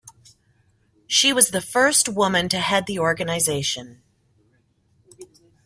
She was the first woman to head the organisation.